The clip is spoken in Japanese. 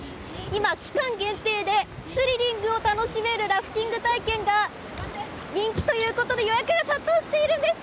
今、期間限定でスリリングを楽しめるラフティング体験が人気ということで予約が殺到しているんです。